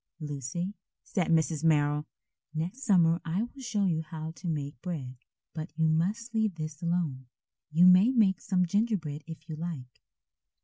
"Lucy," said Mrs. Merrill, "next summer I will show you how to make bread, but you must leave this alone. You may make some gingerbread if you like."